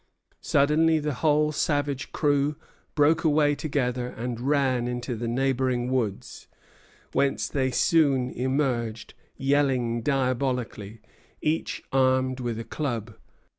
Suddenly the whole savage crew broke away together and ran into the neighboring woods, whence they soon emerged, yelling diabolically, each armed with a club.